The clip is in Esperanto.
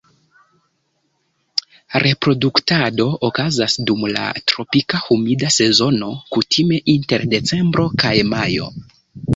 Reproduktado okazas dum la tropika humida sezono kutime inter decembro kaj majo.